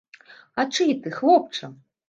А чый ты, хлопча?